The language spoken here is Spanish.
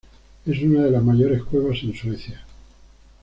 Es una de las mayores cuevas en Suecia.